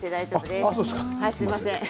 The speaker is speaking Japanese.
すみません。